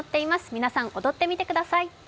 皆さん踊ってみてください。